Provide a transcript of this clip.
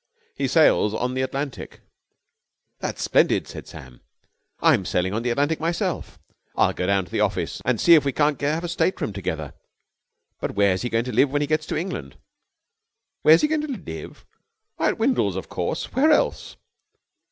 "He sails on the Atlantic." "That's splendid," said Sam. "I'm sailing on the Atlantic myself. I'll go down to the office and see if we can't have a state room together. But where is he going to live when he gets to England?" "Where is he going to live? Why, at Windles, of course. Where else?"